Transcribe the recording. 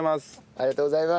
ありがとうございます。